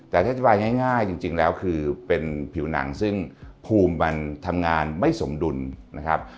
แต่ถ้าจะบายง่ายจริงแล้วคือเป็นผิวหนังซึ่งภูมิมันทำงานไม่สมดุลนะครับ